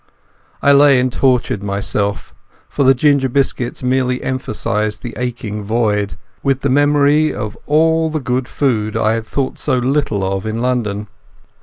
I lay and tortured myself—for the ginger biscuits merely emphasized the aching void—with the memory of all the good food I had thought so little of in London.